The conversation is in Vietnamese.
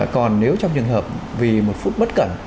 còn nếu trong trường hợp vì một phút bất cẩn